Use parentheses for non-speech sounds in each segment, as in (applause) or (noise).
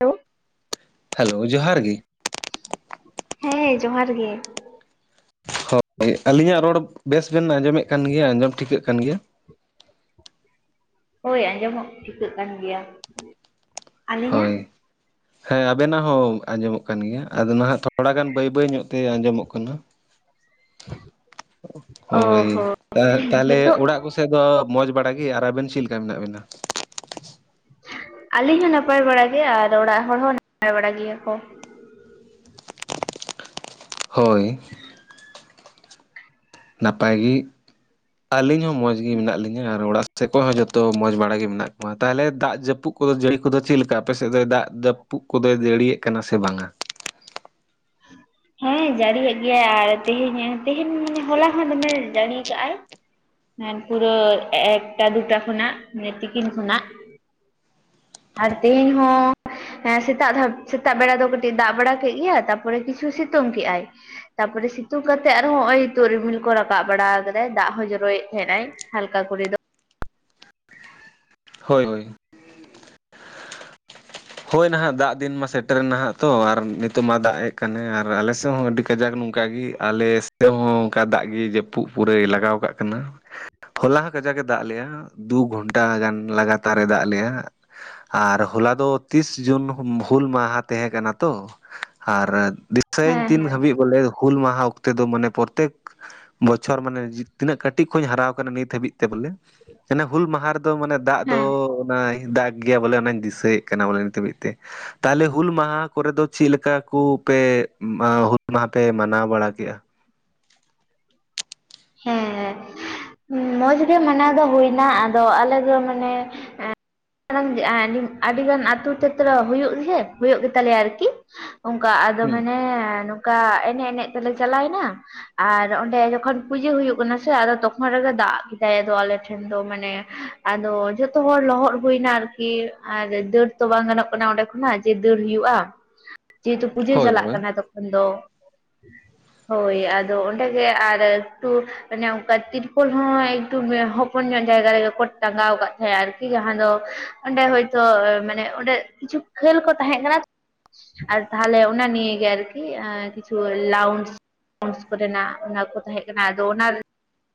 Hello hello ᱡᱚᱦᱟᱨ ᱜᱮ ᱦᱮᱸ ᱡᱚᱦᱟᱨ ᱜᱮ ᱦᱳᱭ ᱟᱹᱞᱤᱧᱟᱜ ᱨᱚᱲ ᱵᱮᱥ ᱵᱮᱱ ᱟᱸᱡᱚᱢᱮᱫ ᱠᱟᱱ ᱜᱮᱭᱟ ᱟᱸᱡᱚᱢ ᱴᱷᱤᱠᱟᱹᱜ ᱠᱟᱱ ᱜᱮᱭᱟ ᱦᱳᱭ ᱟᱸᱡᱚᱢᱚᱜ ᱴᱷᱤᱠᱟᱹᱜ ᱠᱟᱱ ᱜᱮᱭᱟ ᱟᱹᱞᱤᱧᱟᱜ ᱦᱳᱭ ᱦᱮᱸ ᱟᱵᱮᱱᱟᱜ ᱦᱚᱸ ᱟᱸᱡᱚᱢᱚᱜ ᱠᱟᱱ ᱜᱮᱭᱟ ᱟᱫᱚ ᱱᱟᱦᱟᱜ ᱛᱷᱚᱲᱟ ᱜᱟᱱ ᱵᱟᱹᱭ ᱵᱟᱹᱭ ᱧᱚᱜ ᱛᱮ ᱟᱸᱡᱚᱢᱚᱜ ᱠᱟᱱᱟ (unintelligible) ᱦᱮ ᱦᱳᱭ ᱛᱟᱦᱞᱮ ᱱᱤᱛᱚᱜ ᱚᱲᱟᱜ ᱠᱚᱥᱮᱫ ᱫᱚ ᱢᱚᱸᱡᱽ ᱵᱟᱲᱟᱟᱜ ᱜᱮ ᱟᱨ ᱟᱵᱮᱱ ᱪᱮᱫᱞᱮᱠᱟ ᱢᱮᱱᱟᱜ ᱵᱮᱱᱟ (inaudible) ᱟᱹᱞᱤᱧ ᱦᱚᱸ ᱱᱟᱯᱟᱭ ᱵᱟᱲᱟ ᱜᱮ ᱟᱨ ᱚᱲᱟᱜ ᱦᱚᱲ ᱦᱚᱸ ᱱᱟᱯᱟᱭ ᱵᱟᱲᱟ ᱜᱮᱭᱟ ᱠᱚ ᱦᱳᱭ ᱱᱟᱯᱟᱭ ᱜᱮ ᱟᱹᱞᱤᱧ ᱦᱚᱸ ᱢᱚᱸᱡᱽ ᱜᱮ ᱢᱮᱱᱟᱜ ᱞᱤᱧᱟᱹ ᱟᱨ ᱚᱲᱟᱜ ᱥᱮᱮᱫ ᱠᱚ ᱦᱚᱸᱚᱸ ᱡᱚᱛᱚ ᱢᱚᱡᱽ ᱵᱟᱲᱟᱜ ᱜᱮ ᱢᱮᱱᱟᱜ ᱠᱚᱣᱟ ᱛᱟᱦᱚᱞᱮ ᱫᱟᱜ ᱡᱟᱹᱯᱩᱫ ᱠᱚᱫᱚ ᱡᱟᱹᱲᱤ ᱠᱚᱫᱚ ᱪᱮᱫ ᱞᱮᱠᱟ ᱟᱯᱮ ᱥᱮᱫ ᱫᱚ ᱫᱟᱜ ᱡᱟᱹᱯ ᱛᱩᱯᱩᱜ ᱠᱚᱫᱚᱭ ᱫᱟᱹᱲᱤᱭᱮᱜ ᱠᱟᱱᱟ ᱥᱮ ᱵᱟᱝᱟ ᱦᱩᱸ ᱦᱮᱸ ᱡᱟᱹᱲᱤᱭᱟᱜ ᱜᱮᱭᱟᱭ ᱟᱨ ᱛᱮᱦᱮᱧ ᱛᱮᱦᱮᱧ ᱢᱟᱱᱮ ᱦᱚᱞᱟ ᱦᱚᱸ ᱫᱚᱢᱮ ᱡᱟᱹᱲᱤ ᱠᱟᱜᱟᱭ ᱦᱩ ᱯᱩᱨᱟᱹ ᱮᱠᱴᱟ ᱫᱩᱴᱟ ᱠᱷᱚᱱᱟᱜ ᱢᱟᱱᱮ ᱛᱤᱠᱤᱱ ᱠᱷᱚᱱᱟᱜ ᱟᱨ ᱛᱮᱦᱮᱧ ᱦᱚᱸ ᱥᱮᱛᱟᱜ ᱥᱮᱛᱟᱜ ᱵᱮᱲᱟ ᱫᱚ ᱠᱟᱹᱴᱤᱡ ᱫᱟᱜ ᱵᱟᱲᱟ ᱠᱮᱫ ᱜᱮᱭᱟ ᱛᱟᱯᱚᱨ ᱛᱟᱯᱚᱨᱮ ᱠᱤᱪᱷᱩ ᱥᱤᱛᱩᱝ ᱠᱮᱫᱮᱜᱟᱭ ᱛᱟᱯᱚᱨᱮ ᱥᱤᱛᱩᱝ ᱠᱟᱛᱮ ᱟᱨᱦᱚᱸ ᱱᱚᱜᱼᱚᱭ ᱤᱛᱩᱜ ᱨᱤᱢᱤᱞ ᱠᱚ ᱨᱟᱠᱟᱵ ᱵᱟᱲᱟ ᱟᱠᱟᱫᱟᱭ ᱫᱟᱜ ᱦᱚᱸ ᱡᱚᱨᱚᱭᱮᱫ ᱛᱟᱦᱮᱱᱟᱭ ᱦᱟᱞᱠᱟ ᱠᱚᱨᱮ ᱫᱚ ᱦᱳᱭ ᱦᱳᱭ ᱦᱳᱭ ᱱᱟᱦᱟᱜ ᱫᱟᱜ ᱫᱤᱱ ᱢᱟ ᱥᱮᱴᱮᱨᱮ ᱱᱟᱦᱟᱜ ᱛᱚ ᱟᱨ ᱱᱤᱛᱚᱜ ᱢᱟ ᱫᱟᱜ ᱮᱜ ᱠᱟᱱᱟᱮ ᱟᱨ ᱟᱞᱮ ᱥᱮᱫ ᱦᱚᱸ ᱟᱹᱰᱤ ᱠᱟᱡᱟᱠ ᱱᱚᱝᱠᱟ ᱚᱱᱠᱟᱜ ᱜᱮ ᱟᱞᱮ ᱫᱤᱥᱚᱢ ᱦᱚᱸ ᱚᱱᱠᱟ ᱫᱟᱜ ᱜᱮ ᱡᱟᱹᱯᱩᱫ ᱯᱩᱨᱟᱹᱭ ᱞᱟᱜᱟᱣ ᱠᱟᱜ ᱠᱟᱱᱟ ᱦᱚᱞᱟ ᱠᱟᱡᱟᱠ ᱮ ᱫᱟᱜ ᱞᱮᱭᱟ ᱫᱩ ᱜᱷᱚᱱᱴᱟ ᱜᱟᱱ ᱞᱟᱜᱟᱛᱟᱨ ᱮ ᱫᱟᱜ ᱞᱮᱭᱟ ᱟᱨ ᱦᱚᱞᱟ ᱫᱚ ᱛᱤᱥ ᱡᱩᱱ ᱦᱩᱞ ᱢᱟᱦᱟ ᱛᱟᱦᱮᱸ ᱠᱟᱱᱟ ᱛᱚ ᱟᱨ ᱫᱤᱥᱟᱹᱭᱧ ᱦᱮᱸ ᱛᱤᱱ ᱦᱮᱸ ᱫᱷᱟᱹᱵᱤᱡ ᱵᱚᱞᱮ ᱦᱩᱞ ᱢᱟᱦᱟ ᱚᱠᱛᱮ ᱫᱚ ᱢᱟᱱᱮ ᱯᱨᱚᱛᱮᱠ ᱵᱚᱪᱷᱚᱨ ᱢᱟᱱᱮ ᱛᱤᱱᱟᱹᱜ ᱠᱟᱹᱴᱤᱡ ᱠᱷᱚᱧ ᱦᱟᱨᱟᱣ ᱟᱠᱟᱱᱟ ᱱᱤᱛ ᱦᱟᱹᱵᱤᱡ ᱛᱮ ᱵᱚᱞᱮ ᱦᱩᱞ ᱢᱟᱦᱟ ᱨᱮᱫᱚ ᱫᱚ ᱢᱟᱱᱮ ᱫᱟᱜ ᱫᱚ ᱦᱮᱸ ᱚᱱᱟ ᱫᱟᱜᱽ ᱜᱮᱭᱟ ᱵᱚᱞᱮ ᱚᱱᱟᱧ ᱫᱤᱥᱟᱹᱭ ᱵᱚᱞᱮ ᱱᱤᱛ ᱢᱤᱫ ᱛᱮ ᱛᱟᱦᱞᱮ ᱦᱩᱞ ᱢᱟᱦᱟ ᱠᱚᱨᱮ ᱫᱚ ᱪᱮᱫ ᱞᱮᱠᱟ ᱠᱩ ᱯᱮ ᱢᱟ ᱦᱩᱞ ᱢᱟᱦᱟ ᱯᱮ ᱢᱟᱱᱟᱣ ᱵᱟᱲᱟ ᱠᱮᱜᱼᱟ ᱦᱮᱸ ᱢᱚᱡᱽ ᱜᱮ ᱢᱟᱱᱟᱣ ᱫᱚ ᱦᱩᱭᱱᱟ ᱟᱫᱚ ᱟᱞᱮ ᱫᱚ ᱢᱟᱱᱮ ᱮᱸ ᱨᱱ ᱟᱹᱰᱤᱜᱟᱱ ᱟᱹᱛᱩᱳ ᱛᱮᱛᱨᱚ ᱦᱩᱭᱩᱜ ᱜᱮ ᱦᱩᱭᱩᱜ ᱜᱮᱛᱟᱞᱮᱭᱟ ᱟᱨᱠᱤ ᱚᱱᱠᱟ ᱟᱫᱚ ᱦᱩᱸ ᱢᱟᱱᱮ ᱱᱚᱝᱠᱟ ᱮᱱᱮᱡ ᱮᱱᱮᱡ ᱛᱮᱞᱮ ᱪᱟᱞᱟᱣᱮᱱᱟ ᱟᱨ ᱚᱸᱰᱮ ᱡᱚᱠᱷᱚᱱ ᱯᱩᱡᱟᱹ ᱦᱩᱭᱩᱜ ᱠᱟᱱᱟ ᱥᱮ ᱟᱫᱚ ᱛᱚᱠᱷᱚᱱ ᱨᱮᱜᱮ ᱫᱟᱜ ᱠᱮᱫᱟᱭ ᱟᱫᱚ ᱟᱞᱮ ᱴᱷᱮᱱ ᱫᱚ ᱢᱟᱱᱮ ᱟᱫᱚ ᱡᱚᱛᱚ ᱦᱚᱲ ᱞᱚᱦᱚᱫ ᱦᱩᱭᱱᱟ ᱟᱨᱠᱤ ᱟᱨ ᱫᱟᱹᱲ ᱛᱚ ᱵᱟᱝ ᱜᱟᱱᱚᱜ ᱠᱟᱱᱟ ᱚᱸᱰᱮ ᱠᱷᱚᱱᱟᱜ ᱡᱮ ᱫᱟᱹᱲ ᱦᱩᱭᱩᱜᱼᱟ ᱡᱮᱦᱮᱛᱩ ᱯᱩᱡᱟᱹ ᱦᱳᱭ ᱪᱟᱞᱟᱜ ᱦᱳᱭ ᱠᱟᱱᱟ ᱛᱚᱠᱷᱚᱱ ᱫᱚ ᱦᱳᱭ ᱟᱫᱚ ᱚᱸᱰᱮ ᱜᱮ ᱟᱨ ᱛᱮ ᱚᱱᱠᱟ ᱛᱤᱨᱯᱳᱞ ᱦᱚᱸ ᱮᱠᱴᱩ ᱦᱚᱯᱚᱱ ᱧᱚᱜ ᱡᱟᱭᱜᱟ ᱨᱮᱜᱮ ᱠᱚ ᱴᱟᱸᱜᱟᱣ ᱟᱠᱟᱫ ᱛᱟᱦᱮᱸᱜᱼᱟ ᱟᱨᱠᱤ ᱟᱫᱚᱸ ᱚᱸᱰᱮ ᱦᱚᱭᱛᱳ ᱢᱟᱱᱮ ᱚᱸᱰᱮ ᱠᱤᱪᱷᱩ ᱠᱷᱟᱹᱞ ᱠᱚ ᱛᱟᱦᱮᱸ ᱠᱟᱱᱟ ᱟᱨ ᱛᱟᱦᱮ ᱚᱱᱟ ᱱᱤᱭ ᱜᱮ ᱟᱨᱠᱤ ᱠᱤᱪᱩ ᱞᱩᱱᱰ ᱥ ᱠᱚᱨᱮᱱᱟᱜ ᱚᱱᱟ ᱠᱚ ᱛᱟᱦᱮᱸ ᱠᱟᱱᱟ ᱟᱫᱚ ᱚᱱᱟ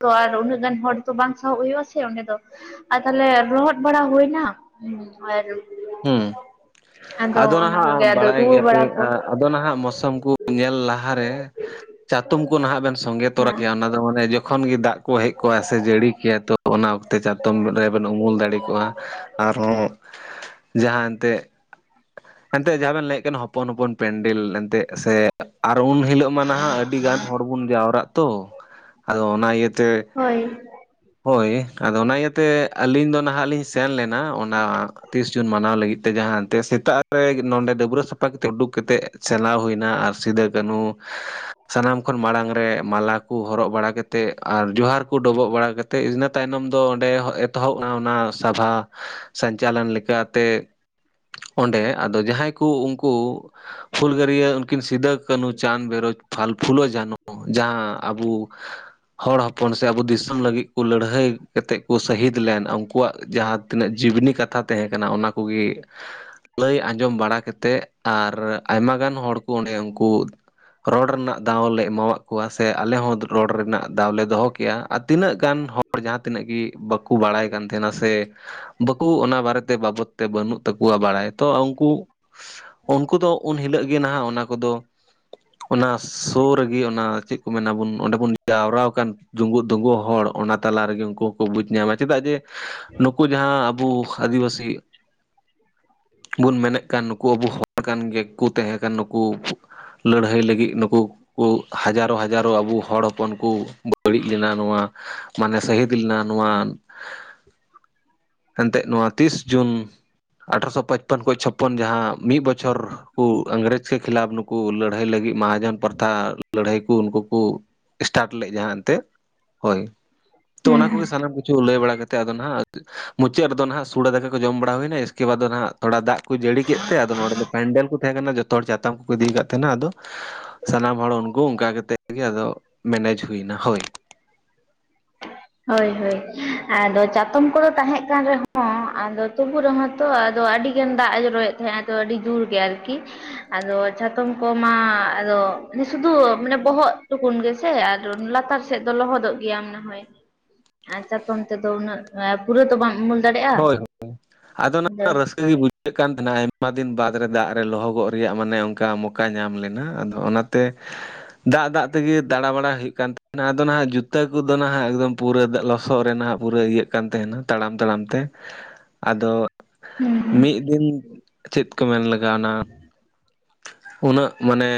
ᱛᱚ ᱟᱨ ᱩᱱᱟᱹᱜ ᱜᱟᱱ ᱦᱚᱲ ᱛᱚ ᱵᱟᱝ ᱥᱟᱦᱚᱵ ᱦᱩᱭᱩᱜ ᱟᱥᱮ ᱚᱸᱰᱮ ᱫᱚ ᱟᱨ ᱛᱟᱦᱞᱮ ᱨᱚᱦᱚᱫ ᱵᱟᱲᱟ ᱦᱩᱭᱱᱟ ᱦᱩᱸ ᱟᱨ ᱦᱩᱸ ᱟᱫᱚ ᱚᱱᱟ ᱠᱚᱜᱮ ᱱᱟᱦᱟᱜ ᱟᱫᱚ ᱵᱟᱲᱟᱭ ᱨᱩᱣᱟᱹ ᱜᱮᱭᱟᱯᱮ ᱵᱟᱲᱟ ᱠᱚ ᱟᱫᱚ ᱱᱟᱦᱟᱜ ᱢᱳᱥᱩᱢ ᱠᱚ ᱧᱮᱞ ᱞᱟᱦᱟᱨᱮ ᱪᱟᱛᱚᱢ ᱠᱚ ᱱᱟᱦᱟᱜ ᱵᱮᱱ ᱥᱚᱸᱜᱮ ᱛᱚᱨᱟ ᱦᱮᱸ ᱠᱮᱭᱟ ᱚᱱᱟ ᱫᱚ ᱢᱟᱱᱮ ᱡᱚᱠᱷᱚᱱ ᱛᱚᱠᱷᱚᱱ ᱜᱮ ᱫᱟᱜ ᱠᱚ ᱦᱮᱡ ᱠᱚᱜᱼᱟ ᱥᱮ ᱡᱟᱹᱲᱤ ᱠᱮᱭᱟ ᱛᱚ ᱚᱱᱟ ᱚᱠᱛᱮ ᱪᱟᱛᱚᱢ ᱨᱮᱵᱮᱱ ᱩᱢᱩᱞ ᱫᱟᱲᱮ ᱠᱚᱜᱼᱟ ᱟᱨᱦᱚᱸ ᱡᱟᱦᱟᱸ ᱮᱱᱛᱜ ᱮᱱᱛᱜ ᱡᱟᱦᱟᱸ ᱵᱮᱱ ᱞᱟᱹᱭᱮᱫ ᱠᱟᱱᱟ ᱦᱚᱯᱚᱱ ᱦᱚᱯᱚᱱ ᱯᱮᱱᱰᱮᱞ ᱮᱱᱛᱮᱫ ᱥᱮ ᱩᱱ ᱦᱤᱞᱳᱜ ᱢᱟ ᱱᱟᱦᱟᱜ ᱟᱹᱰᱤᱜᱟᱱ ᱦᱚᱲ ᱵᱚᱱ ᱡᱟᱣᱨᱟᱜ ᱛᱚ ᱟᱫᱚ ᱚᱱᱟ ᱤᱭᱟᱹᱛᱮ ᱦᱳᱭ ᱦᱳᱭ ᱟᱫᱚ ᱚᱱᱟ ᱤᱭᱟᱹᱛᱮ ᱟᱹᱞᱤᱧ ᱫᱚ ᱱᱟᱦᱟᱜ ᱞᱤᱧ ᱥᱮᱱ ᱞᱮᱱᱟ ᱚᱱᱟ ᱛᱤᱥ ᱡᱩᱱ ᱢᱟᱱᱟᱣ ᱞᱟᱹᱜᱤᱫ ᱛᱮ ᱡᱟᱦᱟᱸ ᱥᱮᱛᱟᱜ ᱨᱮ ᱱᱚᱰᱮ ᱰᱟᱹᱵᱨᱟᱹ ᱥᱟᱯᱷᱟ ᱠᱟᱛᱮ ᱩᱰᱩᱠ ᱠᱟᱛᱮᱫ ᱪᱟᱞᱟᱣ ᱦᱩᱭᱱᱟ ᱟᱨ ᱥᱤᱫᱩᱼ ᱠᱟᱹᱱᱦᱩ ᱥᱟᱱᱟᱢ ᱠᱷᱚᱱ ᱢᱟᱲᱟᱝ ᱨᱮ ᱢᱟᱞᱟ ᱠᱚ ᱦᱚᱨᱚᱜ ᱵᱟᱲᱟ ᱠᱟ ᱠᱟᱛᱮᱫ ᱟᱨ ᱡᱚᱦᱟᱨ ᱠᱚ ᱰᱚᱵᱚᱜ ᱵᱟᱲ ᱠᱟᱛᱮᱫ ᱤᱱᱟᱹ ᱛᱟᱭᱱᱚᱢ ᱛᱟᱭᱱᱚᱢ ᱫᱚ ᱚᱸᱰᱮ ᱮᱛᱚᱦᱚᱵ ᱮᱱᱟ ᱚᱱᱟ ᱥᱚᱵᱷᱟ ᱥᱚᱧᱪᱟᱞᱚᱱ ᱞᱮᱠᱟᱛᱮ (unintelligible) ᱚᱸᱰᱮ ᱟᱫᱚ ᱡᱟᱦᱟᱸᱭ ᱠᱩ ᱩᱱᱠᱩ ᱦᱩᱞᱜᱟᱹᱨᱭᱟᱹ ᱩᱱᱠᱤᱱ ᱥᱤᱫᱟᱹ ᱠᱟᱹᱱᱦᱩ ᱪᱟᱸᱫ ᱵᱷᱟᱭᱨᱚ ᱯᱷᱟᱞ ᱯᱷᱩᱞᱳ ᱡᱷᱟᱱᱚ ᱡᱟᱦᱟᱸ ᱟᱵᱚ ᱦᱚᱲ ᱦᱚᱯᱚᱱ ᱥᱮ ᱟᱵᱚ ᱫᱤᱥᱚᱢ ᱞᱟᱹᱜᱤᱫ ᱠᱚ ᱞᱟᱹᱲᱦᱟᱹᱭ ᱠᱟᱛᱮᱫ ᱠᱚ ᱥᱟᱹᱦᱤᱫ ᱞᱮᱱ ᱟᱭᱟᱜ ᱡᱟᱦᱟᱸ ᱛᱤᱱᱟᱹᱜ ᱡᱤᱵᱽᱱᱤ ᱠᱟᱛᱷᱟ ᱛᱟᱦᱮᱸ ᱠᱟᱱᱟ ᱚᱱᱟ ᱠᱚᱜᱮ ᱞᱟᱹᱭ ᱟᱸᱡᱚᱢ ᱵᱟᱲᱟ ᱠᱟᱛᱮᱫ ᱟᱨ ᱟᱭᱢᱟ ᱜᱟᱱ ᱦᱚᱲ ᱠᱚ ᱚᱸᱰᱮ ᱩᱱᱠᱩ ᱨᱚᱲ ᱨᱮᱱᱟᱜ ᱫᱟᱣ ᱞᱮ ᱮᱢᱟᱜ ᱠᱚᱣᱟ ᱥᱮ ᱟᱞᱮ ᱦᱚᱸ ᱨᱚᱲ ᱨᱮᱱᱟᱜ ᱫᱟᱣ ᱞᱮ ᱫᱚᱦᱚ ᱠᱮᱜᱼᱟ ᱟᱨ ᱛᱤᱱᱟᱹᱜ ᱜᱟᱱ ᱦᱚᱲ ᱡᱟᱦᱟᱸ ᱛᱤᱱᱟᱹᱜ ᱜᱮ ᱵᱟᱠᱚ ᱵᱟᱲᱟᱭ ᱠᱟᱱ ᱛᱟᱦᱮᱱᱟ ᱥᱮ ᱵᱟᱠᱚ ᱚᱱᱟ ᱵᱟᱨᱮᱛᱮ (unintelligible) ᱛᱮ ᱵᱟᱹᱱᱩᱜ ᱛᱟᱠᱚᱣᱟ ᱵᱟᱲᱟᱭ ᱛᱚ ᱩᱱᱠᱩ ᱩᱱᱠᱩ ᱫᱚ ᱩᱱ ᱦᱤᱞᱳᱜ ᱜᱮ ᱱᱟᱦᱟᱜ ᱚᱱᱟ ᱠᱚᱫᱚ ᱚᱱᱟ ᱥᱳ ᱨᱮᱜᱮ ᱚᱱᱟ ᱪᱮᱫ ᱠᱚ ᱢᱮᱱᱟᱵᱚᱱ ᱚᱸᱰᱮ ᱵᱚᱱ ᱡᱟᱣᱨᱟᱣᱟ ᱟᱠᱟᱱ ᱡᱩᱸᱜᱩᱜ ᱰᱩᱜᱩᱜ ᱦᱚᱲ ᱚᱱᱟ ᱛᱟᱞᱟ ᱨᱮᱜᱮ ᱩᱱᱠᱩ ᱦᱚᱸᱠᱚ ᱵᱩᱡ ᱧᱟᱢᱟ ᱪᱮᱫᱟᱜ ᱡᱮ ᱱᱩᱠᱩ ᱡᱟᱦᱟᱸ ᱟᱵᱚ ᱟᱹᱫᱤᱵᱟᱹᱥᱤ ᱵᱚᱱ ᱢᱮᱱᱮᱠ ᱠᱟᱱ ᱱᱩᱠᱩ ᱟᱵᱚ ᱦᱚᱲ ᱠᱟᱱ ᱜᱮᱠᱚ ᱛᱟᱦᱮᱸ ᱠᱟᱱ ᱱᱩᱠᱩ ᱞᱟᱹᱲᱦᱟᱹᱭ ᱞᱟᱹᱜᱤᱫ ᱱᱩᱠᱩ ᱠᱚ ᱦᱟᱡᱟᱨᱚ ᱦᱟᱡᱟᱨᱚ ᱟᱵᱚ ᱦᱚᱲ ᱦᱚᱯᱚᱱ ᱠᱚ ᱵᱟᱹᱲᱤᱡ ᱞᱮᱱᱟ ᱱᱚᱣᱟ ᱢᱟᱱᱮ ᱥᱟᱹᱦᱤᱫ ᱞᱮᱱᱟ ᱱᱚᱣᱟ ᱮᱱᱛᱮᱫ ᱱᱚᱣᱟ ᱛᱤᱥ ᱡᱩᱱ ᱟᱴᱷᱨᱚᱥᱚ ᱯᱚᱪᱯᱚᱱ ᱠᱷᱚᱱ ᱪᱷᱚᱯᱚᱱ ᱡᱟᱦᱟᱸ ᱢᱤᱫ ᱵᱚᱪᱷᱚᱨ ᱤᱝᱨᱮᱹᱡᱽ ᱠᱚ ᱠᱷᱤᱞᱟᱯ ᱱᱩᱠᱩ ᱞᱟᱹᱲᱦᱟᱹᱭ ᱞᱟᱹᱜᱤᱫ ᱢᱟᱦᱟᱡᱚᱱ ᱯᱨᱛᱷᱟ ᱞᱟᱹᱲᱦᱟᱹᱭ ᱠᱚ ᱩᱱᱠᱩ ᱠᱚ ᱥᱴᱟᱴ ᱞᱮᱫ ᱡᱟᱦᱟᱸ ᱮᱱᱛᱮᱫ ᱦᱳᱭ (inaudible) ᱛᱚ ᱚᱱᱟ ᱠᱚᱜᱮ ᱥᱟᱱᱟᱢ ᱠᱤᱪᱷᱩ ᱞᱟᱹᱭ ᱵᱟᱲᱟ ᱠᱟᱛᱮᱮᱫ ᱟᱫᱚ ᱱᱟᱜ ᱢᱩᱪᱟᱹᱫ ᱨᱮᱫᱚ ᱦᱱᱟᱜ ᱥᱩᱚᱲᱟ ᱫᱟᱠᱟ ᱠᱚ ᱡᱚᱢ ᱵᱟᱲᱟ ᱦᱩᱭᱱᱟ᱾ ᱟᱫᱚ ᱱᱟᱜ ᱛᱷᱚᱲᱟ ᱫᱟᱜ ᱠᱚ ᱡᱟᱹᱲᱤ ᱠᱮᱫ ᱛᱮᱫᱚ ᱱᱚᱰᱮ ᱫᱚ ᱯᱮᱱᱰᱮᱞ ᱠᱚ ᱛᱟᱦᱮᱸ ᱠᱟᱱᱟ ᱡᱚᱛᱚ ᱡᱚᱛᱚ ᱦᱚᱲ ᱪᱟᱛᱟᱢ ᱠᱚᱠᱚ ᱤᱫᱤᱠᱟᱫ ᱛᱟᱦᱮᱸᱱᱟ ᱟᱫᱚ ᱥᱟᱱᱟᱢ ᱦᱚᱲ ᱩᱱᱠᱩ ᱚᱱᱠᱟ ᱠᱟᱛᱮ ᱮ ᱟᱫᱚ ᱢᱮᱱᱮᱡᱽ ᱦᱩᱭ ᱮᱱᱟ ᱦᱳᱭ ᱦᱳᱭ ᱦᱳᱭ ᱟᱫᱚ ᱪᱟᱛᱚᱢ ᱠᱚᱫᱚ ᱛᱟᱦᱮᱸ ᱠᱟᱱ ᱨᱮᱦᱚᱸ ᱟᱫᱚ ᱛᱩᱵᱩ ᱨᱮᱦᱚᱸ ᱛᱚ ᱟᱫᱚ ᱟᱹᱰᱤᱜᱟᱱ ᱫᱟᱜᱼ ᱮ ᱡᱚᱨᱚᱭᱮᱫ ᱛᱟᱦᱮᱸᱫ ᱟᱫᱚ ᱟᱹᱰᱤ ᱡᱩᱨ ᱜᱮ ᱟᱨᱠᱤ ᱟᱫᱚ ᱪᱷᱟᱛᱚᱢ ᱠᱚᱢᱟ ᱟᱫᱚ ᱥᱩᱫᱩ ᱢᱟᱱᱮ ᱵᱚᱦᱚᱜ ᱴᱩᱠᱩᱱ ᱜᱮᱥᱮ ᱟᱨ ᱞᱟᱛᱟᱨ ᱥᱮᱫ ᱫᱚ ᱞᱚᱦᱚᱫᱚᱜ ᱜᱮᱭᱟᱢ ᱱᱟᱦᱚᱭ ᱟ ᱪᱟᱛᱚᱢ ᱛᱮᱫᱚ ᱩᱱᱟᱹᱜ ᱯᱩᱨᱟᱹ ᱛᱚ ᱵᱟᱢ ᱩᱢᱩᱞ ᱫᱟᱲᱮᱭᱟᱜᱼᱟ ᱦᱳᱭ ᱦᱳ ᱟᱫᱚ ᱚᱱᱟ ᱨᱟᱹᱥᱠᱟᱹ ᱜᱮ ᱵᱩᱡᱷᱟᱹᱜ ᱠᱟᱱ ᱛᱟᱦᱮᱱᱟ ᱟᱭᱢᱟ ᱟᱭᱢᱟ ᱫᱤᱱ ᱵᱟᱫᱽ ᱨᱮ ᱫᱟᱜ ᱨᱮ ᱞᱚᱦᱚᱫᱚᱜ ᱨᱮᱭᱟᱜ ᱢᱟᱱᱮ ᱚᱱᱠᱟ ᱢᱚᱠᱟ ᱧᱟᱢ ᱞᱮᱱᱟ ᱟᱫᱚ ᱚᱱᱟᱛᱮ ᱫᱟᱜ ᱫᱟᱜ ᱛᱮᱜᱮ ᱫᱟᱬᱟᱵᱟᱲᱟᱭ ᱦᱩᱭᱩᱜ ᱠᱟᱱ ᱛᱟᱦᱮᱱᱟ ᱟᱫᱚ ᱱᱟᱦᱟᱜ ᱡᱩᱛᱟᱹ ᱠᱚᱫᱚ ᱱᱟᱦᱟᱜ ᱮᱠᱫᱚᱢ ᱯᱩᱨᱟᱹ ᱞᱚᱥᱚᱫ ᱨᱮᱦᱟᱜ ᱯᱩᱨᱟᱹ ᱤᱭᱟᱹᱜ ᱠᱟᱱ ᱛᱟᱦᱮᱱᱟ ᱛᱟᱲᱟᱢ ᱛᱟᱲᱟᱢ ᱛᱮ ᱟᱫᱚ ᱦᱩᱸ ᱦᱩᱸ ᱢᱤᱫ ᱫᱤᱱ ᱪᱮᱫ ᱠᱚ ᱢᱮᱱ ᱞᱮᱠᱟ ᱚᱣᱱᱟ ᱩᱱᱟᱹᱜ ᱢᱟᱱᱮ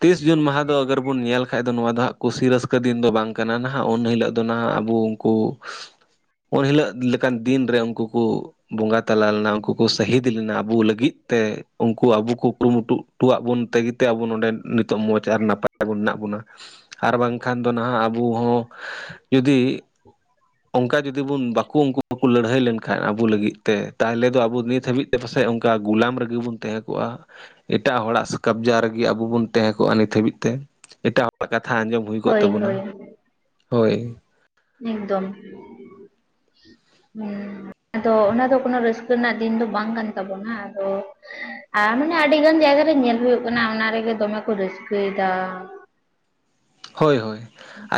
ᱛᱤᱥ ᱡᱩᱱ ᱢᱟᱦᱟ ᱫᱚ ᱟᱜᱚᱨ ᱵᱚᱱ ᱧᱮᱞ ᱵᱟᱠᱷᱟᱡ ᱫᱚ ᱱᱚᱣᱟ ᱫᱚ ᱦᱟᱸᱜ ᱠᱩᱥᱤ ᱨᱟᱹᱥᱠᱟᱹ ᱫᱤᱱ ᱫᱚ ᱵᱟᱝ ᱠᱟᱱᱟ ᱱᱟᱦᱟᱜ ᱩᱱ ᱦᱤᱞᱳᱜ ᱫᱚ ᱱᱟᱦᱟᱜ ᱟᱵᱚ ᱩᱱᱠᱩ ᱩᱱᱦᱤᱞᱳ ᱞᱮᱠᱟᱱ ᱫᱤᱱ ᱨᱮ ᱩᱱᱠᱩ ᱠᱚ ᱵᱚᱸᱜᱟ ᱛᱟᱞᱟ ᱞᱮᱱᱟ ᱩᱱᱠᱩ ᱠᱚ ᱥᱟᱹᱟᱦᱤᱫ ᱞᱮᱱᱟ ᱟᱵᱚ ᱞᱟᱹᱜᱤᱫ ᱛᱮ ᱩᱱᱠᱩ ᱟᱵᱚ ᱠᱚ ᱠᱩᱨᱩᱢᱩᱴᱩ ᱴᱚᱣᱟᱜ ᱵᱚᱱ ᱛᱮᱜᱮᱛᱮ ᱟᱵᱚ ᱱᱚᱰᱮ ᱱᱤᱛᱚᱜ ᱢᱚᱡᱽ ᱟᱨ ᱱᱟᱯᱟᱭᱵᱚᱱ ᱢᱮᱱᱟᱜ ᱵᱚᱱᱟ ᱟᱨ ᱵᱟᱝᱠᱷᱟᱱ ᱫᱚ ᱱᱟᱦᱟᱜ ᱟᱵᱚ ᱦᱚᱸ ᱡᱩᱫᱤ ᱚᱱᱠᱟ ᱡᱩᱫᱤ ᱵᱚᱱ ᱵᱟᱠᱚ ᱩᱱᱠᱩ ᱠᱚ ᱞᱟᱹᱲᱦᱟᱹᱭ ᱞᱮᱱᱠᱷᱟᱱ ᱮᱱᱠᱷᱟᱱ ᱟᱵᱚ ᱞᱟᱹᱜᱤᱫ ᱛᱮ ᱛᱟᱦᱚᱞᱮ ᱫᱚ ᱟᱵᱚ ᱱᱤᱛ ᱦᱟᱹᱵᱤᱡ ᱛᱮ ᱯᱟᱥᱮᱡ ᱚᱱᱠᱟ ᱜᱩᱞᱟᱢ ᱨᱜᱮ ᱵᱚᱱ ᱛᱟᱦᱮᱸ ᱠᱚᱜᱼᱟ ᱮᱴᱟᱜ ᱦᱚᱲᱟᱜ ᱠᱟᱵᱽᱡᱟ ᱨᱮᱜᱮ ᱟᱵᱚ ᱵᱚᱱ ᱛᱟᱦᱮᱸ ᱠᱚᱜᱼᱟ ᱱᱤᱛ ᱦᱟᱹᱵᱤᱡ ᱛᱮ ᱮᱴᱟᱜ ᱦᱚᱲᱟᱜ ᱠᱟᱛᱷᱟ ᱟᱸᱡᱚᱢ ᱦᱩᱭ ᱠᱚᱜ ᱦᱳᱭ ᱛᱟᱵᱚᱱᱟ ᱦᱳᱭ ᱦᱳᱭ ᱮᱠᱫᱚᱢ ᱦᱮ ᱟᱫᱚ ᱚᱱᱟ ᱫᱚ ᱠᱳᱱᱳ ᱨᱟᱹᱥᱠᱟᱹ ᱨᱮᱱᱟᱜ ᱫᱤᱱ ᱫᱚ ᱵᱟᱝ ᱠᱟᱱ ᱛᱟᱵᱚᱱᱟ ᱟᱫᱚ ᱟᱢ ᱢᱟᱱᱮ ᱟᱹᱰᱤ ᱜᱟᱱ ᱡᱟᱭᱜᱟᱮ ᱧᱮᱞ ᱦᱩᱭᱩᱜ ᱠᱟᱱᱟ ᱚᱱᱟ ᱨᱮᱜᱮ ᱫᱚᱢᱮ ᱠᱚ ᱨᱟᱹᱥᱠᱟᱹᱭᱮᱫᱟ ᱦᱳᱭ ᱦᱳᱭ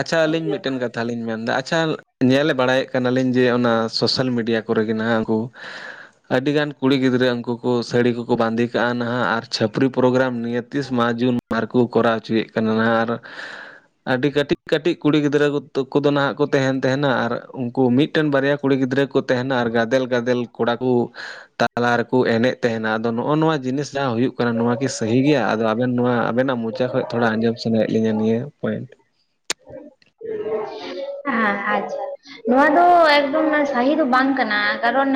ᱟᱪᱪᱷᱟ ᱧᱮᱞ ᱟᱹᱞᱤᱧ ᱦᱩᱭᱩᱜ ᱢᱤᱫᱴᱮᱱ ᱠᱟᱛᱷᱟᱞᱤᱤᱧ ᱢᱮᱱ ᱮᱫᱟ ᱟᱪᱪᱷᱟ ᱧᱮᱞᱮ ᱵᱟᱲᱟᱭᱮᱫ ᱠᱟᱱᱟᱞᱤᱧ ᱡᱮ ᱚᱱᱟ ᱥᱳᱥᱟᱞ ᱢᱤᱰᱤᱭᱟ ᱠᱚᱨᱮ ᱜᱮ ᱱᱟᱸᱜ ᱩᱱᱠᱩ ᱟᱹᱰᱤᱜᱟᱱ ᱠᱩᱲᱤ ᱜᱤᱫᱽᱨᱟᱹ ᱩᱱᱠᱩ ᱠᱚ ᱥᱟᱹᱲᱤ ᱠᱚᱠᱚ ᱵᱟᱸᱫᱮ ᱠᱟᱜᱼᱟ ᱱᱟᱦᱟᱜ ᱟᱨ ᱪᱷᱟᱹᱯᱨᱤᱤ ᱯᱨᱳᱜᱨᱟᱢ ᱱᱤᱭᱟ ᱛᱨᱤᱥ ᱢᱟᱨᱪ ᱡᱩᱱ ᱢᱟᱦᱟ ᱨᱮᱠᱚ ᱠᱚᱨᱟᱣ ᱦᱚᱪᱚᱭᱮᱫ ᱠᱟᱱᱟ ᱟᱨ ᱟᱹᱰᱤ ᱠᱟᱹᱴᱤᱡ ᱠᱟᱹᱴᱤᱡ ᱠᱩᱲᱤ ᱜᱤᱫᱽᱨᱟᱹ ᱠᱚᱫᱚ ᱱᱟᱦᱟᱜ ᱠᱚ ᱛᱟᱦᱮᱱ ᱛᱟᱦᱮᱱᱟ ᱟᱨ ᱩᱱᱠᱩ ᱢᱤᱫᱴᱮᱱ ᱵᱟᱨᱭᱟ ᱠᱩᱲᱤ ᱜᱤᱫᱽᱨᱟᱹ ᱠᱚ ᱛᱟᱦᱮᱱᱟ ᱟᱨ ᱜᱟᱫᱮᱞ ᱜᱟᱫᱮᱞ ᱠᱚᱲᱟ ᱠᱚ ᱛᱟᱞᱟ ᱨᱮᱠᱚ ᱮᱱᱮᱡ ᱛᱟᱦᱮᱱᱟ ᱟᱫᱚ ᱱᱚᱜᱼᱚ ᱱᱚᱣᱟ ᱡᱤᱱᱤᱥ ᱡᱟᱦᱟᱸ ᱦᱩᱭᱩᱜ ᱠᱟᱱᱟ ᱱᱚᱶᱟᱣᱟᱜᱤ ᱥᱟᱹᱦᱤ ᱜᱮᱭᱟ ᱟ ᱟᱵᱮᱱ ᱱᱚᱣᱟ ᱟᱵᱮᱱᱟᱜ ᱢᱚᱪᱟ ᱠᱷᱚᱱ ᱛᱷᱚᱲᱟ ᱟᱸᱡᱚᱢ ᱥᱟᱱᱟᱭᱮᱫ ᱞᱤᱧᱟ ᱱᱤᱭᱟᱹ ᱯᱚᱭᱮᱱᱴ (unintelligible) ᱦ ᱦᱮᱸ ᱟᱪᱪᱷᱟ ᱱᱚᱣᱟ ᱫᱚ ᱮᱠᱫᱚᱢ ᱥᱟᱦᱤ ᱫᱚ ᱵᱟᱝ ᱠᱟᱱᱟ ᱠᱟᱨᱚᱱ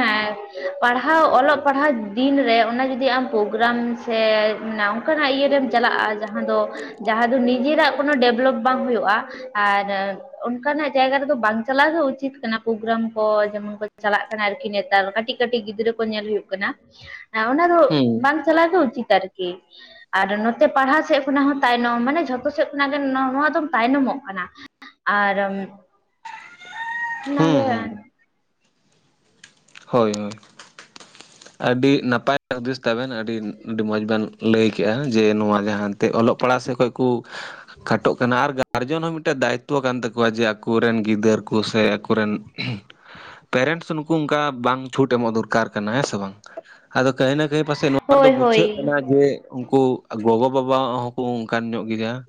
ᱯᱟᱲᱦᱟᱣ ᱚᱞᱚᱜ ᱯᱟᱲᱦᱟᱣ ᱫᱤᱱ ᱨᱮ ᱚᱱᱟ ᱡᱩᱫᱤ ᱟᱢ ᱯᱨᱳᱜᱨᱟᱢ ᱥᱮ ᱚᱱᱠᱟᱱᱟᱜ ᱤᱭᱟᱹᱨᱮᱢ ᱪᱟᱞᱟᱜ ᱡᱟᱦᱟᱸ ᱫᱚ ᱡᱟᱦᱟᱸ ᱫᱚ ᱱᱤᱡᱮᱨᱟᱜ ᱠᱳᱱᱳ ᱰᱮᱵᱷᱞᱚᱯ ᱵᱟᱝ ᱦᱩᱭᱩᱜᱼᱟ ᱟᱨ ᱚᱱᱠᱟᱱᱟᱜ ᱡᱟᱭᱜᱟ ᱨᱮᱫᱚ ᱵᱟᱝ ᱪᱟᱞᱟᱣ ᱫᱚ ᱩᱪᱤᱛ ᱠᱟᱱᱟ ᱯᱨᱳᱜᱨᱟᱢ ᱠᱚ ᱡᱮᱢᱚᱱ ᱠᱚ ᱪᱟᱞᱟᱜ ᱠᱟᱱᱟ ᱟᱨᱠᱤ ᱱᱤ ᱱᱮᱛ ᱠᱟᱹᱴᱤᱡ ᱠᱟᱹᱴᱤᱡ ᱜᱤᱫᱽᱨᱟᱹ ᱠᱚ ᱧᱮᱞ ᱦᱩᱭᱩᱜ ᱠᱟᱱᱟ ᱚᱱᱟ ᱫᱚ ᱦᱩᱸ ᱵᱟᱝ ᱪᱟᱞᱟᱣ ᱜᱮ ᱩᱪᱤᱛ ᱟᱨᱠᱤ ᱟᱨ ᱱᱚᱛᱮ ᱯᱟᱲᱦᱟᱣ ᱥᱮᱫ ᱠᱷᱚᱱᱟᱜ ᱦᱚᱸ ᱛᱟᱭᱱᱚᱢ ᱢᱟᱱᱮ ᱡᱷᱚᱛᱚ ᱥᱮᱫ ᱠᱷᱚᱱᱟᱜ ᱜᱮ ᱱᱚᱣᱟ ᱫᱚᱢ ᱛᱟᱭᱱᱚᱢ ᱟᱨ ᱚᱱᱟ ᱦᱩᱸ ᱜᱮ ᱦᱩᱸ ᱦᱳᱭ ᱦᱳᱭ ᱟᱹᱰᱤ ᱱᱟᱯᱟᱭ ᱦᱩᱫᱤᱥ ᱛᱟᱵᱮᱱ ᱟᱹᱰᱤ ᱟᱹᱰᱤ ᱢᱚᱡᱽ ᱵᱮᱱ ᱞᱟᱹᱭ ᱠᱮᱜ-ᱟ ᱡᱮ ᱱᱚᱣᱟ ᱡᱟᱦᱟᱸ ᱚᱞᱚᱜ ᱯᱟᱲᱦᱟᱜ ᱥᱮᱫ ᱠᱷᱚᱱ ᱠᱩ ᱠᱷᱟᱴᱚᱜ ᱠᱟᱱᱟ ᱟᱨ ᱜᱟ ᱜᱟᱹᱨᱡᱚᱱ ᱦᱚᱸ ᱢᱤᱫᱴᱟᱝ ᱫᱟᱭᱤᱛ ᱛᱚ ᱠᱟᱱ ᱛᱟᱠᱚᱣᱟ ᱡᱮ ᱟᱠᱚ ᱨᱮᱱ ᱜᱤᱫᱽᱹᱨᱟ ᱠᱚ ᱥᱮ ᱟᱠᱚ ᱨᱮᱱ ᱯᱮᱨᱮᱱᱴᱥ ᱱᱩᱠᱩ ᱚᱱᱠᱟ ᱵᱟᱝ ᱪᱷᱩᱴ ᱮᱢᱚᱜ ᱫᱚᱨᱠᱟᱨ ᱠᱟᱱᱟ ᱦᱮᱸ ᱥᱮ ᱵᱟᱝ ᱟᱫᱚ ᱠᱟᱹᱦᱤ ᱱᱟ ᱜᱮ ᱯᱟᱥᱮᱫ ᱱᱚᱣᱟ ᱨᱮᱫᱚ ᱦᱳᱭ ᱦᱳᱭ ᱵᱩᱡᱷᱟᱹᱜ ᱠᱟᱱᱟ ᱡᱮ ᱩᱱᱠᱩ ᱜᱚᱜᱚ ᱵᱟᱵᱟ ᱦᱚᱸᱠᱚ ᱚᱱᱠᱟᱱ ᱧᱚᱜ ᱜᱮᱭᱟ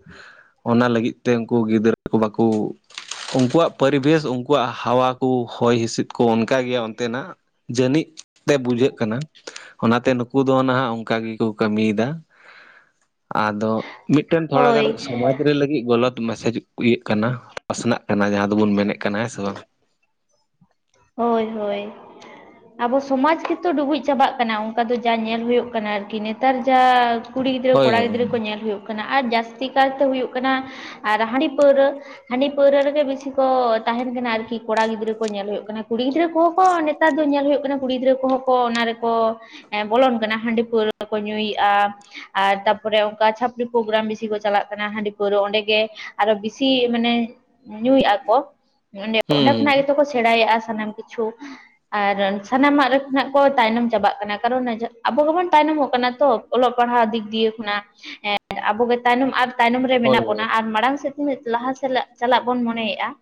ᱚᱱᱟ ᱞᱟᱹᱜᱤᱫ ᱛᱮ ᱩᱱᱠᱩ ᱜᱤᱫᱽᱨᱟᱹ ᱠᱚ ᱵᱟᱠᱚ ᱩᱱᱠᱩᱣᱟᱜ ᱯᱚᱨᱤᱵᱮᱥ ᱩᱱᱠᱩᱣᱟᱜ ᱦᱟᱣᱟ ᱠᱚ ᱦᱚᱭ ᱦᱤᱸᱥᱤᱫ ᱠᱚ ᱚᱱᱠᱟ ᱜᱮᱭᱟ ᱚᱱᱛᱮᱱᱟᱜ ᱡᱟᱹᱱᱤᱡ ᱛᱮ ᱵᱩᱡᱷᱟᱹᱜ ᱠᱟᱱᱟ ᱚᱱᱟ ᱛᱮ ᱱᱩᱠᱩ ᱫᱚ ᱱᱟᱦᱟᱜ ᱚᱱᱠᱟ ᱜᱮᱠᱚ ᱠᱟᱹᱢᱤᱭᱮᱫᱟ᱾ ᱟᱫᱚ ᱢᱤᱫᱴᱮᱱ ᱛᱷᱚᱲᱟ ᱦᱳᱭ ᱜᱟᱱ ᱥᱚᱢᱟᱡ ᱨᱮᱱ ᱞᱟᱹᱜᱤᱫ ᱜᱟᱞᱟᱛ ᱢᱮᱥᱮᱡ ᱤᱭᱟᱹ ᱠᱟᱱᱟ ᱯᱟᱥ ᱱᱟᱜ ᱠᱟᱱᱟ ᱡᱟᱦᱟᱸ ᱫᱚᱵᱚᱱ ᱢᱮᱱ ᱮᱜ ᱠᱟᱱᱟ ᱦᱮᱸ ᱥᱮ ᱵᱟᱝ ᱦᱳᱭ ᱦᱳᱭ ᱟᱵᱚ ᱥᱚᱢᱟᱡᱽ ᱜᱮᱛᱚ ᱰᱩᱵᱩᱡ ᱪᱟᱵᱟᱜ ᱠᱟᱱᱟ ᱚᱱᱠᱟ ᱫᱚ ᱡᱟ ᱧᱮᱞ ᱦᱩᱭᱩᱜ ᱠᱟᱱᱟ ᱟᱨᱠᱤ ᱱᱮᱛᱟᱨ ᱡᱟᱸ ᱠᱩᱲᱤ ᱜᱤᱫᱽᱨᱟᱹ ᱦᱳᱭ ᱠᱚᱲᱟ ᱦᱳᱭ ᱜᱤᱫᱽᱨᱟᱹ ᱧᱮᱞ ᱦᱩᱭᱩᱜ ᱠᱟᱱᱟ ᱟᱨ ᱡᱟᱹᱥᱛᱤ ᱠᱟᱨᱛᱮ ᱦᱩᱭᱩᱜ ᱠᱟᱱᱟ ᱟᱨ ᱦᱟᱺᱰᱤ ᱯᱟᱹᱣᱨᱟᱹ ᱦᱟᱺᱰᱤ ᱯᱟᱹᱣᱨᱟᱹ ᱨᱮᱜᱮ ᱵᱮᱥᱤ ᱠᱚ ᱛᱟ ᱛᱟᱦᱮᱱ ᱠᱟᱱᱟ ᱟᱨᱠᱤ ᱠᱚᱲᱟ ᱜᱤᱫᱽᱨᱟᱹ ᱠᱚ ᱧᱮᱞ ᱦᱩᱭᱩᱜ ᱠᱟᱱᱟ ᱠᱩᱲᱤ ᱜᱤᱫᱽᱨᱟᱹ ᱠᱚᱦᱚᱸ ᱠᱚ ᱱᱮᱛᱟᱨ ᱫᱚ ᱧᱮᱞ ᱦᱩᱭᱩᱜ ᱠᱟᱱᱟ ᱠᱩᱲᱤ ᱜᱤᱫᱽᱨᱟᱹ ᱠᱚᱦᱚᱸ ᱠᱚ ᱚᱱᱟ ᱨᱮᱠᱚ ᱮ ᱵᱚᱞᱚᱱ ᱠᱟᱱᱟ ᱦᱟᱺᱰᱤ ᱯᱟᱹᱣᱨᱟᱹ ᱠᱚ ᱧᱩ ᱭᱮᱜ-ᱟ ᱟᱨ ᱛᱟᱯᱚᱨᱮ ᱚᱱᱠᱟ ᱪᱷᱟᱹᱯᱲᱤ ᱯᱨᱳᱜᱨᱟᱢ ᱵᱮᱥᱤ ᱠᱚ ᱪᱟᱞᱟᱜ ᱠᱟᱱᱟ ᱦᱟᱺᱰᱤ ᱯᱟᱹᱣᱨᱟᱹ ᱚᱸᱰᱮ ᱜᱮ ᱟᱨᱚ ᱵᱮᱥᱤ ᱢᱟᱱᱮ ᱧᱩᱭᱮᱫ-ᱟ ᱠᱚ ᱚᱸᱰᱮ ᱦᱩᱸ ᱦᱩᱸ ᱠᱷᱚᱱᱟᱜ ᱜᱮᱛᱚ ᱠᱚ ᱥᱮᱬᱟᱭᱮᱜ-ᱟ ᱥᱮ ᱥᱟᱱᱟᱢ ᱠᱤᱪᱷᱩ ᱟᱨ ᱥᱟᱱᱟᱢ ᱟᱜ ᱱᱟᱜ ᱠᱚ ᱛᱟᱭᱱᱚᱢ ᱪᱟᱵᱟᱜ ᱠᱟᱱᱟ ᱠᱟᱨᱚᱱ ᱟᱵᱚ ᱜᱮᱵᱚᱱ ᱛᱟᱭᱱᱚᱢ ᱛᱟᱭᱱᱚᱢ ᱚᱜ ᱠᱟᱱᱟ ᱛᱚ ᱚᱞᱚᱜ ᱯᱟᱲᱦᱟᱜ ᱫᱤᱠ ᱫᱤᱭᱮ ᱠᱷᱚᱱᱟᱜ ᱟᱵᱚ ᱜᱮ ᱛᱟᱭᱱᱚᱢ ᱟᱨ ᱛᱟᱭᱱᱚᱢ ᱨᱮ ᱦᱳᱭ ᱢᱮᱱᱟᱜ ᱵᱚᱱᱟ ᱦᱳᱭ ᱟᱨ ᱢᱟᱲᱟᱝ ᱥᱮᱫ ᱞᱟᱦᱟ ᱪᱟᱞᱟᱜ ᱵᱚᱱ ᱢᱚᱱᱮᱭᱮᱜ-ᱟ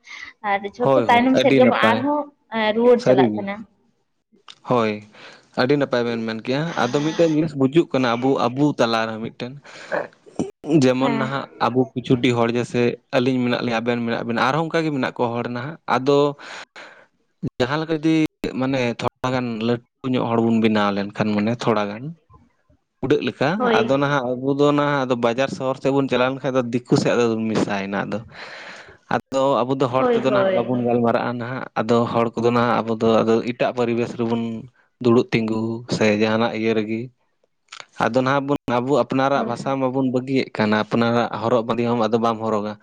ᱟᱨ ᱡᱷᱚᱛᱚ ᱦᱳᱭ ᱦᱳᱭ ᱛᱟᱭᱱᱚᱢ ᱥᱮᱫ ᱟᱹᱰᱤ ᱜᱮᱵᱚᱱ ᱱᱟᱯᱟᱭ ᱟᱨᱦᱚᱸ ᱨᱩᱣᱟᱹᱲ ᱪᱟᱞᱟᱜ ᱥᱟᱹᱨᱤᱜᱮ ᱠᱟᱱᱟ ᱦᱳᱭ ᱟᱹᱰᱤ ᱱᱟᱯᱟᱭ ᱵᱮᱱ ᱢᱮᱱ ᱠᱮᱭᱟ ᱟᱫᱚ ᱢᱤᱫᱴᱟᱝ ᱡᱤᱱᱤᱥ ᱵᱩᱡᱩᱜ ᱠᱟᱱᱟ ᱟᱵᱩ ᱟᱵᱩ ᱛᱟᱞᱟ ᱨᱮᱦᱚᱸ ᱢᱤᱫᱴᱮᱱ ᱡᱮᱢᱚᱱ ᱦᱮᱸ ᱱᱟᱦᱟᱜ ᱟᱵᱚ ᱠᱤᱪᱷᱩᱰᱤ ᱦᱚᱲ ᱜᱮ ᱥᱮ ᱟᱹᱞᱤᱧ ᱢᱮᱱᱟᱜ ᱞᱤᱧ ᱟᱵᱮᱱ ᱢᱮᱱᱟᱜ ᱵᱮᱱᱟ ᱟᱨᱦᱚᱸ ᱚᱱᱠᱟᱜᱮ ᱢᱮᱱᱟᱜ ᱠᱚᱣᱟ ᱦᱚᱲ ᱱᱟᱦᱟᱜ ᱟᱫᱚ ᱡᱟᱦᱟᱸ ᱞᱮᱠᱟ ᱡᱩᱫᱤ ᱢᱟᱱᱮ ᱛᱷᱚᱲᱟ ᱜᱟᱱ ᱞᱟᱹᱴᱩ ᱧᱚᱜ ᱦᱚᱲ ᱵᱚᱱ ᱵᱮᱱᱟᱣ ᱞᱮᱱᱠᱷᱟᱱ ᱢᱟᱱᱮ ᱛᱷᱚᱲᱟ ᱜᱟᱱ ᱦᱩᱸ (unintelligible) ᱩᱹᱰᱟᱜ ᱞᱮᱠᱟ ᱟᱫᱚ ᱱᱟᱦᱟᱜ ᱟᱵᱚ ᱫᱚ ᱟᱫᱚ ᱱᱟᱦᱟᱜ ᱵᱟᱡᱟᱨ ᱥᱚᱦᱚᱨ ᱥᱮᱫ ᱵᱚᱱ ᱪᱟᱞᱟᱣ ᱞᱮᱱᱠᱷᱟᱱ ᱫᱚ ᱫᱤᱠᱩ ᱥᱮᱫ ᱟᱫᱚᱵᱚᱱ ᱢᱮᱥᱟᱭ ᱱᱟ ᱟᱫᱚ ᱟᱫᱚ ᱟᱵᱚ ᱫᱚ ᱦᱚᱲ ᱦᱳᱭ ᱛᱮᱫᱚ ᱱᱟᱦᱟᱜ ᱦᱳᱭ ᱵᱟᱵᱚᱱ ᱜᱟᱞ ᱢᱟᱨᱟᱜ-ᱟ ᱱᱟᱦᱟᱜ ᱟᱫᱚ ᱦᱚᱲ ᱠᱚᱫᱚ ᱱᱟᱜ ᱟᱵᱚ ᱫᱚ ᱮᱴᱟᱜ ᱯᱚᱨᱤᱵᱮᱥ ᱨᱮᱵᱚᱱ ᱫᱩᱲᱩᱵ ᱛᱤᱸᱜᱩ ᱥᱮ ᱡᱟᱦᱟ ᱱᱟᱜ ᱤᱭᱟᱹ ᱨᱮᱜᱮ ᱟᱫᱚ ᱱᱟᱦᱟᱜ ᱵᱚᱱ ᱟᱵᱚ ᱟᱯᱱᱟᱨᱟᱜ ᱵᱷᱟᱥᱟ ᱢᱟᱵᱚᱱ ᱵᱟᱹᱜᱤᱭᱮᱜ ᱠᱟᱱᱟ ᱟᱯᱱᱟᱨ-ᱟᱜ ᱦᱚᱨᱚᱜ ᱵᱟᱸᱫᱮ ᱦᱚᱸ ᱟᱫᱚ ᱵᱟᱢ ᱦᱚᱨᱚᱜ-ᱟ᱾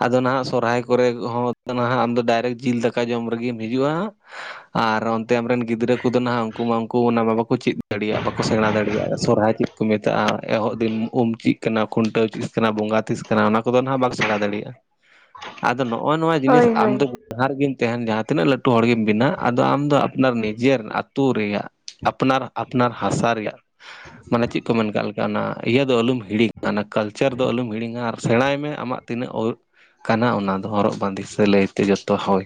ᱟᱫᱚ ᱱᱟᱦᱟᱜ ᱥᱚᱨᱦᱟᱭ ᱠᱚᱨᱮ ᱦᱚᱸ ᱟᱫᱚ ᱱᱟᱦᱟᱜ ᱟᱢᱫᱚ ᱰᱟᱭᱨᱮᱠᱴ ᱡᱤᱞ ᱫᱟᱠᱟ ᱡᱚᱢ ᱨᱮᱜᱮᱢ ᱦᱤᱡᱩᱜ-ᱟ ᱟᱨ ᱚᱱ ᱟᱢ ᱛᱮ ᱟᱢ ᱨᱮᱱ ᱜᱤᱫᱽᱨᱟᱹ ᱠᱚᱫᱚ ᱱᱟᱦᱟᱜ ᱩᱱᱠᱩ ᱢᱟ ᱩᱱᱠᱩ ᱚᱱᱟ ᱵᱟᱠᱚ ᱪᱮᱫ ᱫᱟᱲᱮᱭ-ᱟᱜ ᱵᱟᱠᱚ ᱥᱮᱬᱟ ᱫᱟᱲᱮᱭᱟᱜ-ᱟ ᱥᱚᱨᱦᱟᱭ ᱪᱮᱫ ᱠᱚ ᱢᱮᱛᱟᱜ-ᱟ? ᱮᱦᱚᱵ ᱫᱤᱱ ᱩᱢ ᱪᱮᱫ ᱠᱟᱱᱟ ᱠᱷᱩᱱᱴᱟᱹᱣ ᱪᱮᱫ ᱠᱟᱱᱟ (unintelligible) ᱵᱚᱸᱜᱟ ᱛᱤᱥ ᱠᱟᱱᱟ ᱚᱱᱟ ᱠᱚᱫᱚ ᱱᱟᱜ ᱵᱟᱠᱚ ᱥᱮᱬᱟ ᱫᱟᱲᱮᱭᱟᱜ-ᱟ ᱟᱫᱚ ᱱᱚᱜ-ᱚᱭ ᱱᱚᱣᱟ ᱡᱤᱱᱤᱥ ᱦᱳᱭ ᱦᱳᱭ ᱟᱢ ᱫᱚ ᱡᱟᱦᱟᱸ ᱨᱮᱜᱮᱢ ᱛᱟᱦᱮᱱ ᱡᱟᱦᱟᱸ ᱛᱤᱱᱟᱹᱜ ᱞᱟᱹ ᱞᱟᱹᱴᱩ ᱦᱚᱲ ᱜᱮᱢ ᱵᱮᱱᱟᱣ ᱟᱫᱚ ᱟᱢ ᱫᱚ ᱟᱯᱱᱟᱨ ᱱᱤᱡᱮᱨ ᱟᱹᱛᱩ ᱨᱮᱭᱟᱜ ᱟᱯᱱᱟᱨ ᱟᱯᱱᱟᱨ ᱦᱟᱥᱟ ᱨᱮᱭᱟᱜ ᱢᱟᱱᱮ ᱪᱮᱫ ᱠᱚ ᱢᱮᱱ ᱠᱟᱜ ᱞᱮᱠᱟ ᱚᱱᱟ ᱤᱭᱟᱹ ᱫᱚ ᱟᱞᱚᱢ ᱦᱤᱲᱤᱧ-ᱟ ᱚᱱᱟ ᱠᱟᱞᱪᱟᱨ ᱫᱚ ᱟᱞᱚᱢ ᱦᱤᱲᱤᱧ-ᱟ ᱟᱨ ᱥᱮᱬᱟᱭ (unintelligible) ᱟᱢᱟᱜ ᱛᱤᱱᱟᱹᱜ ᱠᱟᱱᱟ ᱚᱱᱟ ᱫᱚ ᱦᱚᱨᱚᱜ ᱵᱟᱸᱫᱮ ᱥᱮ ᱞᱟᱹᱭ ᱛᱮᱜᱮ ᱦᱳᱭ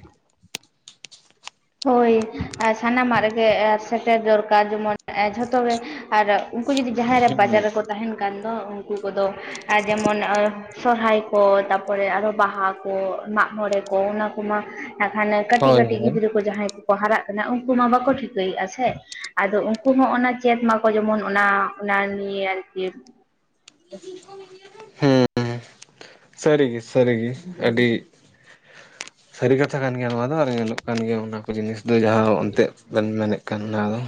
ᱦᱳᱭ ᱥᱟᱱᱟᱢ-ᱟᱜ ᱨᱮᱜᱮ ᱥᱮᱴᱮᱨ ᱫᱚᱨᱠᱟᱨ ᱡᱮᱢᱚᱱ ᱡᱷᱚᱛᱚ ᱜᱮ ᱟᱨ ᱩᱱᱠᱩ ᱡᱩᱫᱤ ᱡᱟᱦᱟᱸᱭ ᱨᱮ ᱵᱟᱡᱟᱨ ᱨᱮᱠᱚ ᱛᱟᱦᱮᱱ ᱠᱷᱟᱱ ᱩᱱᱠᱩ ᱠᱚᱫᱚ ᱡᱮᱢᱚᱱ ᱥᱚᱨᱦᱟᱭ ᱠᱚ ᱛᱟᱯᱚᱨᱮ ᱟᱨᱦᱚ ᱵᱟᱦᱟ ᱠᱚ ᱦᱚᱲᱮ ᱠᱚ ᱚᱱᱟ ᱠᱚᱢᱟ ᱦᱟᱱᱮ ᱠᱟᱹᱴᱤᱡ ᱦᱳᱭ ᱠᱟᱹᱴᱤᱡ ᱦᱳᱭ ᱜᱤᱫᱽᱨᱟᱹ ᱠᱚ ᱡᱟᱦᱟᱸᱭ ᱠᱚ ᱠᱚ ᱦᱟᱨᱟᱜ ᱠᱟᱱᱟ ᱩᱱᱠᱩ ᱢᱟ ᱵᱟᱠᱚ ᱴᱷᱤᱠᱟᱹᱭᱮᱫᱼᱟ ᱥᱮ ᱟᱫᱚ ᱩᱱᱠᱩ ᱦᱚᱸ ᱚᱱᱟ ᱪᱮᱫ ᱢᱟᱠᱚ ᱡᱮᱢᱚᱱ ᱚᱱᱟ ᱚᱱᱟ ᱱᱤᱭᱟᱹ ᱟᱨᱠᱤ (unintelligible) ᱦᱮᱸ ᱥᱟᱹᱨᱤ ᱜᱮ ᱥᱟᱹᱨᱤ ᱜᱮ ᱟᱹᱰᱤ ᱥᱟᱹᱨᱤ ᱠᱟᱛᱷᱟ ᱠᱟᱱ ᱜᱮᱭᱟ ᱱᱚᱣᱟ ᱫᱚ ᱟᱨ ᱧᱮᱞᱚᱜ ᱠᱟᱱ ᱜᱮᱭᱟ ᱚᱱᱟ ᱠᱚ ᱡᱤᱱᱤᱥ ᱫᱚ ᱡᱟᱦᱟᱸ ᱮᱱᱛᱮᱫ ᱵᱮᱱ ᱢᱮᱱᱮᱫ ᱠᱟᱱ ᱚᱱᱟ ᱫᱚ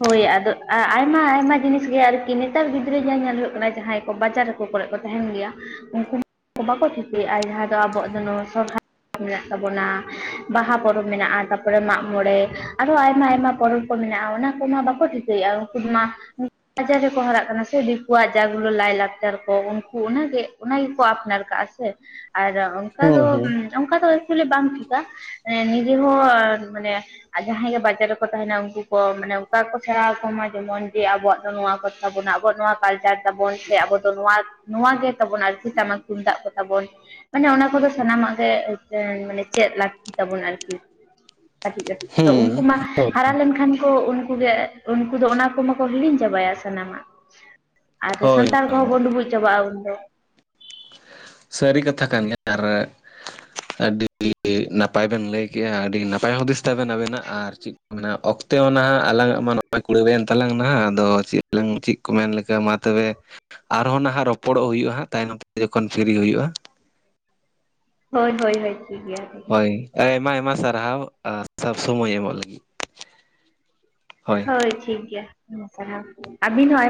ᱦᱳᱭ ᱟᱫᱚ ᱟᱭᱢᱟ ᱟᱭᱢᱟ ᱡᱤᱱᱤᱥ ᱜᱮ ᱟᱨᱠᱤ ᱱᱮᱛᱟᱨ ᱜᱤᱫᱽᱨᱟᱹ ᱡᱟ ᱧᱮᱞ ᱦᱩᱭᱩᱜ ᱠᱟᱱᱟ ᱡᱟᱦᱟᱸᱭ ᱠᱚ ᱵᱟᱡᱟᱨ ᱨᱮᱠᱚ ᱠᱚᱨᱮ ᱠᱚ ᱛᱟᱦᱮᱱ ᱜᱮᱭᱟ ᱩᱱᱠᱩ ᱵᱟᱠᱚ ᱴᱷᱤᱠᱟᱹᱭᱮᱫᱼᱟ ᱡᱟᱦᱟᱸ ᱫᱚ ᱟᱵᱚᱣᱟᱜ ᱫᱚ ᱱᱚᱣᱟ ᱥᱚᱨᱦᱟᱭ ᱢᱮᱱᱟᱜ ᱛᱟᱵᱚᱱᱟ ᱵᱟᱦᱟ ᱯᱚᱨᱚᱵᱽ ᱢᱮᱱᱟᱜᱼᱟ ᱛᱟᱨᱯᱚᱨ ᱛᱟᱯᱚᱨᱮ ᱢᱟᱜᱽ ᱢᱚᱬᱮ ᱟᱨᱦᱚᱸ ᱟᱭᱢᱟ ᱟᱭᱢᱟ ᱯᱚᱨᱚᱵᱽ ᱠᱚ ᱢᱮᱱᱟᱜᱼᱟ ᱚᱱᱟ ᱠᱚ ᱢᱟ ᱵᱟᱠᱚ ᱴᱷᱤᱠᱟᱹᱭᱮᱫᱼᱟ ᱩᱱᱠᱩ ᱫᱚ ᱢᱟ ᱵᱟᱡᱟᱨ ᱨᱮᱠᱚ ᱦᱟᱨᱟᱜ ᱠᱟᱱᱟ ᱥᱮ ᱫᱤᱠᱩᱣᱟᱜ ᱡᱟ ᱜᱩᱞᱳ ᱞᱟᱭᱼᱞᱟᱠᱪᱟᱨ ᱠᱚ ᱩᱱᱠᱩ ᱚᱱᱟᱜᱮ ᱚᱱᱟ ᱜᱮᱠᱚ ᱟᱯᱱᱟᱨ ᱠᱟᱜᱼᱟ ᱥᱮ ᱟᱨ ᱦᱩᱸ ᱚᱱᱠᱟ ᱦᱩᱸ ᱫᱚ ᱚᱱᱠᱟ ᱫᱚ ᱠᱷᱚᱞᱤ ᱵᱟᱝ ᱴᱷᱤᱠᱟ ᱢᱮ ᱱᱤᱡᱮ ᱦᱚᱸ ᱢᱟᱱᱮ ᱡᱟᱦᱟᱸᱭ ᱜᱮ ᱵᱟᱡᱟᱨ ᱨᱮᱠᱚ ᱛᱟᱦᱮᱱᱟ ᱩᱱᱠᱩ ᱠᱚ ᱢᱟᱱᱮ ᱥᱚᱨᱠᱟᱨ ᱠᱚ ᱥᱮᱬᱟᱣ ᱟᱠᱚ ᱢᱟ ᱡᱮᱢᱚᱱ ᱡᱮ ᱟᱵᱚᱣᱟᱜ ᱫᱚ ᱱᱚᱣᱟ ᱠᱟᱱ ᱛᱟᱵᱚᱱᱟ ᱟᱵᱚᱣᱟᱜ ᱱᱚᱣᱟ ᱠᱟᱞᱪᱟᱨ ᱛᱟᱵᱚᱱ ᱥᱮ ᱟᱵᱚ ᱫᱚ ᱱᱚᱣᱟ ᱱᱚᱣᱟ ᱜᱮ ᱛᱟᱵᱚᱱ ᱟᱨᱠᱤ ᱴᱟᱢᱟᱠ ᱛᱩᱢ ᱫᱟᱜ ᱠᱚ ᱛᱟᱵᱚᱱ ᱢᱟᱱᱮ ᱚᱱᱟ ᱠᱚᱫᱚ ᱥᱟᱱᱟᱢᱟᱜ ᱜᱮ ᱢᱟᱱᱮ ᱪᱮᱫ ᱞᱟᱹᱠᱛᱤ ᱛᱟᱵᱚᱱ ᱟᱨᱠᱤ ᱠᱟᱹᱴᱤᱡ ᱠᱟᱹᱴᱤᱡ ᱛᱚ ᱦᱩᱸ ᱩᱱᱠᱩ ᱢᱟ ᱦᱳᱭ ᱦᱟᱨᱟ ᱞᱮᱱᱠᱷᱟᱱ ᱠᱚ ᱩᱱᱠᱩ ᱩᱱᱠᱩ ᱜᱮ ᱩᱱᱠᱩ ᱫᱚ ᱚᱱᱟ ᱠᱚ ᱢᱟᱠᱚ ᱦᱤᱲᱤᱧ ᱪᱟᱵᱟᱭᱟ ᱥᱟᱱᱟᱢᱟᱜ ᱟᱨ ᱦᱳᱭ ᱦᱳᱭ ᱥᱟᱱᱛᱟᱲ ᱠᱚᱦᱚᱸ ᱦᱳᱭ ᱵᱚᱱ ᱰᱩᱵᱩᱡ ᱪᱟᱵᱟᱜᱼᱟ ᱩᱱᱫᱚ ᱥᱟᱹᱨᱤ ᱠᱟᱛᱷᱟ ᱠᱟᱱ ᱜᱮᱭᱟ ᱟᱨ ᱟᱹᱰᱤ ᱱᱟᱯᱟᱭ ᱵᱮᱱ ᱞᱟᱹᱭ ᱴᱤᱠᱼᱟ ᱟᱹᱰᱤ ᱱᱟᱯᱟᱭ ᱦᱩᱫᱤᱥ ᱛᱟᱵᱮᱱ ᱟᱵᱮᱱᱟᱜ ᱟᱨ ᱪᱮᱫ ᱠᱚ ᱢᱮᱱᱟᱜᱼᱟ ᱚᱠᱛᱮ ᱢᱟ ᱱᱟᱦᱟᱜ ᱟᱞᱟᱝᱟᱜ ᱢᱟ ᱱᱚᱜᱼᱚᱭ ᱠᱩᱲᱤᱵᱮᱱ ᱛᱟᱞᱟᱝ ᱱᱟᱦᱟᱜ ᱟᱫᱚ ᱪᱮᱫ ᱪᱮᱫ ᱠᱚ ᱢᱮᱱ ᱞᱮᱠᱟ ᱢᱟ ᱛᱚᱵᱮ ᱟᱨᱦᱚᱸ ᱱᱟᱦᱟᱜ ᱨᱚᱯᱚᱲᱚᱜ ᱦᱩᱭᱩᱜᱼᱟ ᱦᱟᱸᱜ ᱛᱟᱭᱚᱢᱱᱚᱢ ᱛᱮ ᱡᱚᱠᱷᱚᱱ ᱯᱷᱨᱤ ᱦᱩᱭᱩᱜᱼᱟ ᱦᱳᱭ ᱦᱳᱭ ᱦᱳᱭ ᱴᱷᱤᱠ ᱜᱮᱭᱟ ᱴᱷᱤᱠ ᱦᱳᱭ ᱜᱮᱭᱟ ᱟᱭᱢᱟ ᱟᱭᱢᱟ ᱥᱟᱨᱦᱟᱣ ᱥᱚᱵ ᱥᱚᱢᱚᱭ ᱮᱢᱚᱜ ᱞᱟᱹᱜᱤᱫ ᱦᱳᱭ ᱴᱷᱤᱠ ᱜᱮᱭᱟ ᱟᱹᱵᱤᱱ ᱦᱚᱸ ᱟ